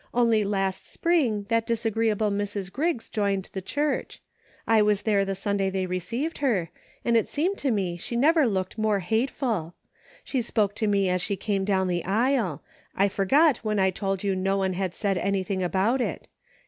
Only last spring that disagreeable Mrs. Griggs joined the church ; I was there the Sunday they received her, and it seemed to me she never looked more hate ful. She spoke to me as she came down the aisle. I forgot when I told you no one had said anything ' about it.